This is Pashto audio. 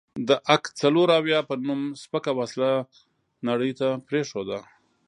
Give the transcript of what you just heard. د اک څلوراویا په نوم سپکه وسله نړۍ ته پرېښوده.